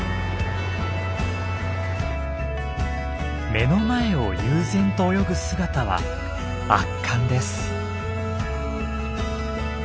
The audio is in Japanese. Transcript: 目の前を悠然と泳ぐ姿は圧巻です。